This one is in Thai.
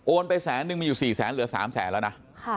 โอนไปแสนหนึ่งมันอยู่สี่แสนเหลือสามแสนแล้วนะ